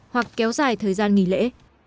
hoặc kéo dài thời gian nghỉ lễ